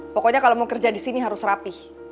pokoknya kalau mau kerja disini harus rapih